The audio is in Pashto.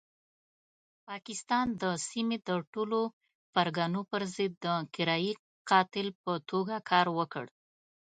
پاکستان د سیمې د ټولو پرګنو پرضد د کرایي قاتل په توګه کار وکړ.